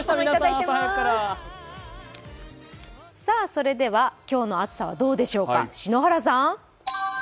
それでは、今日の暑さはどうでしょうか？。